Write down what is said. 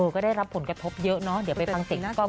ก็ได้รับผลกระทบเยอะเนอะเดี๋ยวไปฟังเสียงน้องก้อม